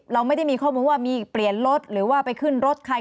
เราไม่ได้มีข้อมูลว่ามีเปลี่ยนรถหรือว่าไปขึ้นรถใคร